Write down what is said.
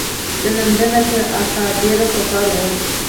له لندنه تر اګادیره سفر و.